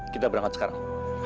kita berangkat sekarang